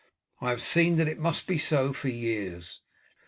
I have seen that it must be so for years.